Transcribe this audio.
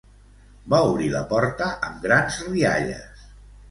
Va obrir la porta amb grans rialles.